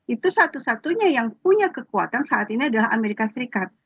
itu satu satunya yang punya kekuatan saat ini adalah amerika serikat